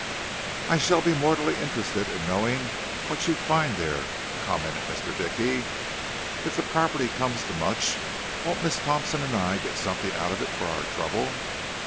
"I shall be mortally interested in knowing what you find there," commented Mr. Dickey. "If the property comes to much, won't Miss Thompson and I get something out of it for our trouble?"